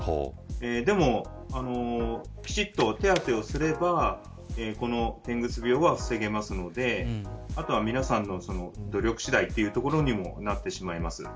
でも、きちんと手当てをすればこのてんぐ巣病は防げますのであとは皆さんの努力次第というところにもなってしまいます。